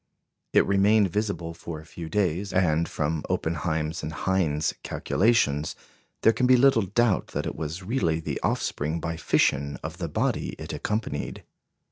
It remained visible for a few days, and, from Oppenheim's and Hind's calculations, there can be little doubt that it was really the offspring by fission of the body it accompanied.